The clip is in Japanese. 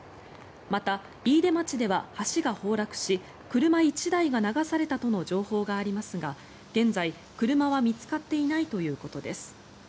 また、飯豊町では橋が崩落し車１台が流されたとの情報がありますが現在、車は見つかっていないということです。